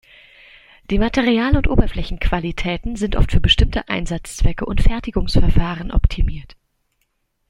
Die Material- und Oberflächenqualitäten sind oft für bestimmte Einsatzzwecke und Fertigungsverfahren optimiert.